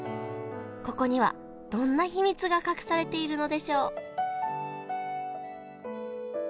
ここにはどんな秘密が隠されているのでしょう？